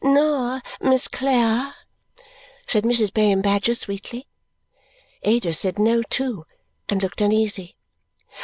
"Nor Miss Clare?" said Mrs. Bayham Badger sweetly. Ada said no, too, and looked uneasy.